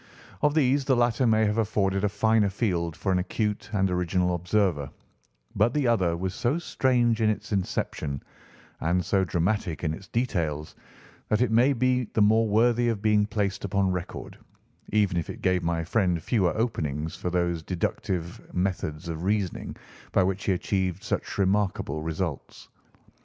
Of these the latter may have afforded a finer field for an acute and original observer, but the other was so strange in its inception and so dramatic in its details that it may be the more worthy of being placed upon record, even if it gave my friend fewer openings for those deductive methods of reasoning by which he achieved such remarkable results.